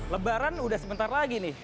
lebaran udah sebentar lagi nih